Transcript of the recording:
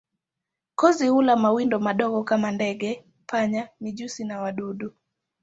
Kozi hula mawindo madogo kama ndege, panya, mijusi na wadudu.